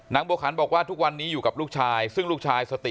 บัวขันบอกว่าทุกวันนี้อยู่กับลูกชายซึ่งลูกชายสติ